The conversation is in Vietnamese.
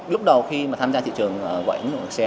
lúc đầu khi mà tham gia thị trường gọi ứng dụng gọi xe